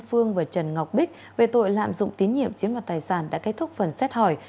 phương và trần ngọc bích về tội lạm dụng tín nhiệm chiếm đoạt tài sản đã kết thúc phần xét hỏi